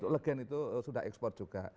legend itu sudah ekspor juga